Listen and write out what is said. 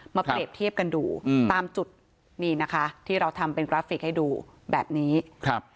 เปรียบเทียบกันดูอืมตามจุดนี่นะคะที่เราทำเป็นกราฟิกให้ดูแบบนี้ครับ